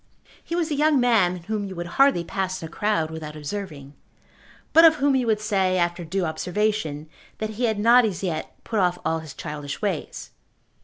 He was a young man whom you would hardly pass in a crowd without observing, but of whom you would say, after due observation, that he had not as yet put off all his childish ways.